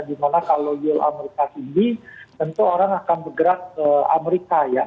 dimana kalau yield amerika tinggi tentu orang akan bergerak ke amerika ya